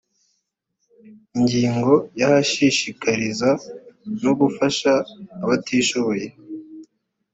ingingo ya gushishikariza no gufasha abatishoboye